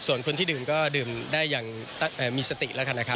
ส่วนคนที่ดื่มก็ดื่มได้อย่างมีสติแล้วกันนะครับ